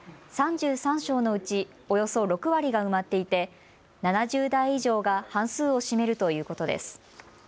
３３床のうちおよそ６割が埋まっていて７０代以上が半数を占めるということです。